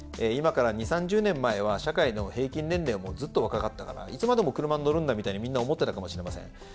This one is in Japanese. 今から２０３０年前は社会の平均年齢もずっと若かったからいつまでも車に乗るんだみたいにみんな思ってたかもしれません。